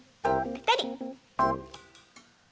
ぺたり。